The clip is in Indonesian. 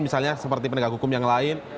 misalnya seperti penegak hukum yang lain